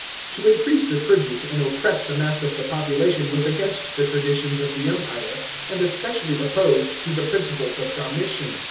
To increase the tribute and oppress the mass of the population was against the traditions of the Empire, and especially opposed to the principles of Domitian.